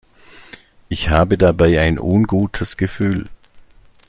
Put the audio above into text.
Ich habe dabei ein ungutes Gefühl.